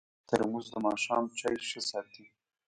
ترموز د ماښام چای ښه ساتي.